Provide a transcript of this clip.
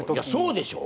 そうでしょう？